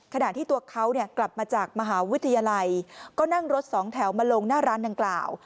ขณะที่ตัวเขาเนี่ยกลับมาจากมหาวิทยาลัยก็นั่งรถสองแถวมาลงหน้าร้านดังกล่าว